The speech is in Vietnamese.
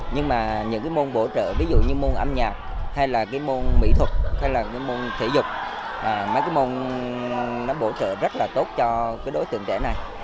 nhưng mà những cái môn bổ trợ ví dụ như môn âm nhạc hay là cái môn mỹ thuật hay là cái môn thể dục mấy cái môn nó bổ trợ rất là tốt cho cái đối tượng trẻ này